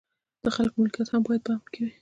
د خلکو ملکیت هم باید په امن کې وي.